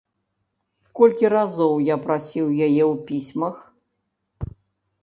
Колькі разоў я прасіў яе ў пісьмах?